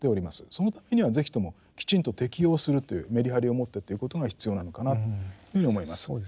そのためには是非ともきちんと適用するというメリハリを持ってということが必要なのかなというふうに思います。